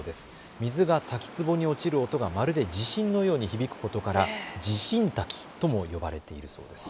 水が滝つぼに落ちる音がまるで地震のように響くことから地震滝とも呼ばれているそうです。